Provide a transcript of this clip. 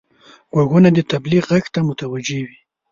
غوږونه د تبلیغ غږ ته متوجه وي